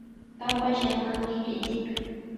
Kanpash llankanki kikipi.